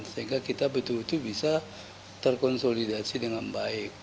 sehingga kita betul betul bisa terkonsolidasi dengan baik